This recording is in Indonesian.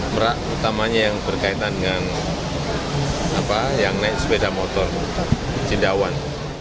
merak utamanya yang berkaitan dengan yang naik sepeda motor cindawan